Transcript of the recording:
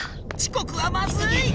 ちこくはまずい！